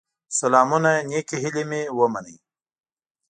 سلامونه نيکي هيلي مي ومنئ